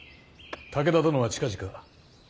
武田殿は近々嫡男